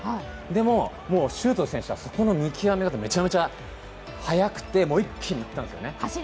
でも、周東選手はそこの見極め方がめちゃくちゃ早くて、もう一気にいったんですよね